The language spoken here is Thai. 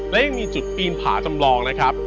และยังมีจุดปีนผาจำลองนะครับ